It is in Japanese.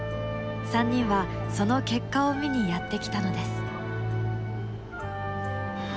３人はその結果を見にやって来たのです。